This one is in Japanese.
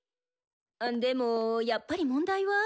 あでもやっぱり問題は。